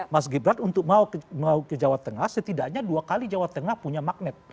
mas gibran untuk mau ke jawa tengah setidaknya dua kali jawa tengah punya magnet